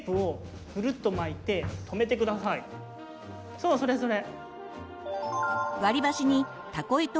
そうそれそれ。